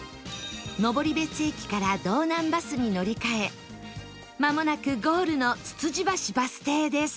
登別駅から道南バスに乗り換えまもなくゴールのつつじばしバス停です